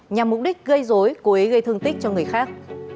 nhằm mục đích gây dối cố ý gây thương tích cho người khác